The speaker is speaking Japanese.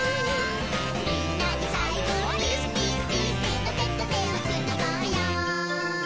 「みんなでさいごはピースピースピース」「テトテトテをつなごうよ」